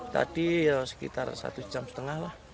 tadi ya sekitar satu jam setengah lah